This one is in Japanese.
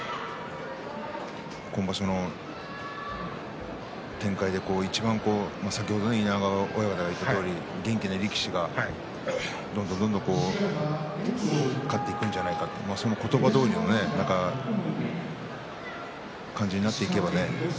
今場所の展開で先ほど稲川親方が言ったとおり元気な力士が、どんどんどんどん勝っていくんじゃないかなとその言葉どおりの感じになっていけばね